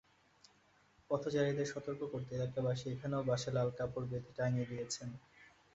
পথচারীদের সতর্ক করতে এলাকাবাসী এখানেও বাঁশে লাল কাপড় বেঁধে টাঙিয়ে দিয়েছেন।